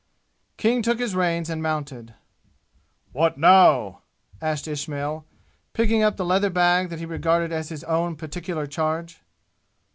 King took his reins and mounted. "What now?" asked Ismail, picking up the leather bag that he regarded as his own particular charge.